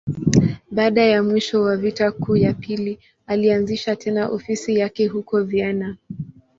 Baada ya mwisho wa Vita Kuu ya Pili, alianzisha tena ofisi yake huko Vienna.